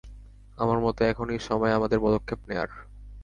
আমার মতে, এখনই সময় আমাদের পদক্ষেপ নেওয়ার।